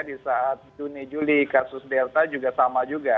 di saat juni juli kasus delta juga sama juga